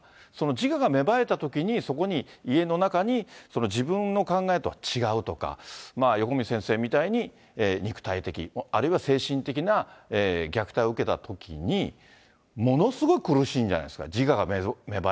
自我が芽生えたときに、そこに家の中に自分の考えとは違うとか、横道先生みたいに、肉体的、あるいは精神的な虐待を受けたときに、ものすごく苦しいんじゃなそうですね。